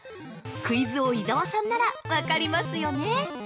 クイズ王・伊沢さんなら分かりますよね？